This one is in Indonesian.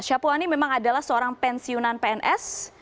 syapuani memang adalah seorang pensiunan pns